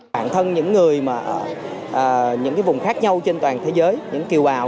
bản thân những người ở những cái vùng khác nhau trên toàn thế giới những kiều bào